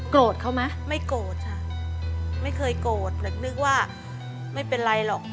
โกรธเขาไหมไม่โกรธค่ะไม่เคยโกรธนึกว่าไม่เป็นไรหรอก